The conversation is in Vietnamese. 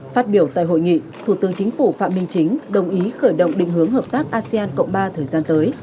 phát biểu tại hội nghị thủ tướng chính phủ phạm minh chính đồng ý khởi động định hướng hợp tác asean cộng ba thời gian tới